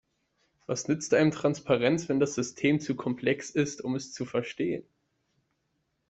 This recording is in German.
Was nützt einem Transparenz, wenn das System zu komplex ist, um es zu verstehen?